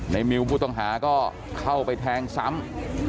มิวผู้ต้องหาก็เข้าไปแทงซ้ำ